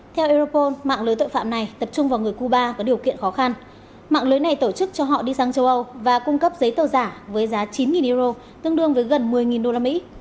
theo aeropol mạng lưới tội phạm này tập trung vào người cuba có điều kiện khó khăn mạng lưới này tổ chức cho họ đi sang châu âu và cung cấp giấy tờ giả với giá chín euro tương đương với gần một mươi đô la mỹ